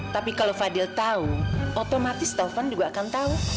tapi kalau fadil tahu otomatis taufan juga akan tahu